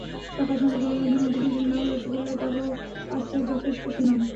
সকাল সন্ধা, গৌরনদী, মন্টু ঘোসের নাম, রসোগেল্লায় তাগো আছে যথেষ্ট সুনাম।